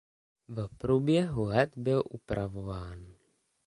V průběhu let byl upravován.